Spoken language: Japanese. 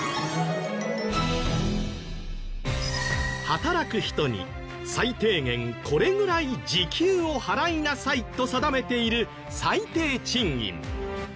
働く人に最低限これぐらい時給を払いなさいと定めている最低賃金。